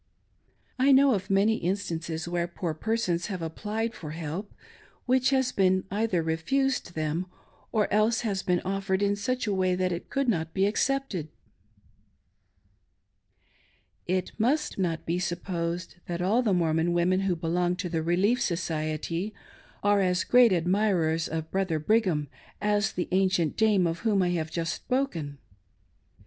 I know of many instances where poor persons have applied for help, which has either been refused them, or else has been offered in such a way that it could not be accepted. It must not be supposed that all the Mormon women who belong to the Relief Society are as great admirers of Brother Brigham as the ancient dame of whom I have just spoken.